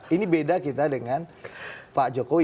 ini beda kita dengan pak jokowi